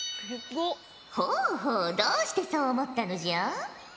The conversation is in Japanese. ほうほうどうしてそう思ったのじゃ？